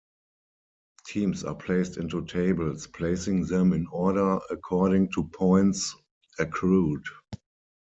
Teams are placed into tables, placing them in order according to points accrued.